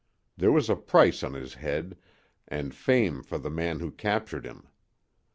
There was a price on his head, and fame for the man who captured him.